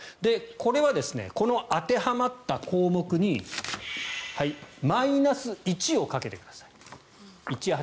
これはこの当てはまった項目にマイナス１を掛けてください。